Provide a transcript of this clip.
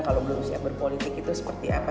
kalau belum siap berpolitik itu seperti apa